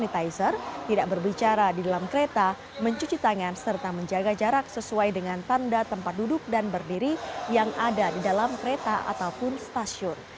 sanitizer tidak berbicara di dalam kereta mencuci tangan serta menjaga jarak sesuai dengan tanda tempat duduk dan berdiri yang ada di dalam kereta ataupun stasiun